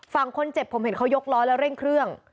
ฝั่งคนเจ็บผมเห็นเขายกล้อแล้วเร่งเครื่อง